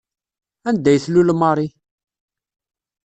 Anda ay tlul Marie?